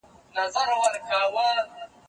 زه به کتابتون ته تللی وي!؟